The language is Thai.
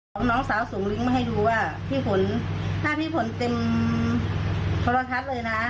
เอาน้องสาวส่งลิงก์มาให้ดูว่าพี่ฝนถ้าพี่ฝนเต็มโทรทัศน์เลยนะ